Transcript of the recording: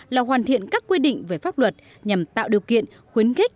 là hoàn thiện các quy định về pháp luật nhằm tạo điều kiện khuyến khích